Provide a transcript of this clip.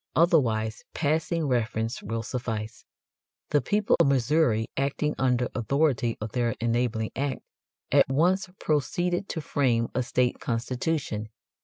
Otherwise passing reference will suffice. The people of Missouri acting under authority of their enabling act, at once proceeded to frame a state constitution.